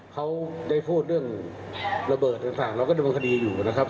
เขาได้พูดเรื่องระเบิดต่างเราก็ดำเนินคดีอยู่นะครับ